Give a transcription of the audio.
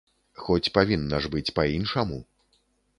Хоць павінна ж быць па-іншаму.